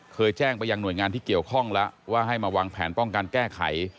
เคยแจ้งไปยังหน่วยงานที่เกี่ยวข้องแล้วว่าให้มาวางแผนป้องกันแก้ไข